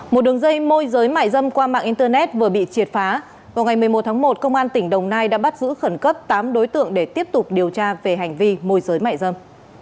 một đường dây môi giới mại dâm qua mạng internet vừa bị triệt phá vào ngày một mươi một tháng một công an tỉnh đồng nai đã bắt giữ khẩn cấp tám đối tượng để tiếp tục điều tra về hành vi môi giới mại dâm